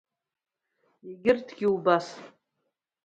Егьырҭгьы убас.